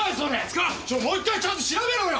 ちょっもう１回ちゃんと調べろよ！